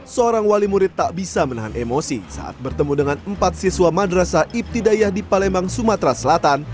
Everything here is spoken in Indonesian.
seorang wali murid tak bisa menahan emosi saat bertemu dengan empat siswa madrasah ibtidayah di palembang sumatera selatan